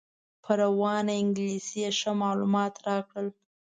په روانه انګلیسي یې ښه معلومات راکړل.